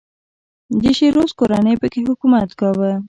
د شیزو کورنۍ په کې حکومت کاوه.